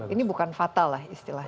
ini bukan fatal lah istilahnya